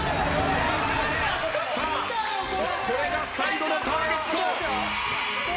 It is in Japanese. さあこれが最後のターゲット。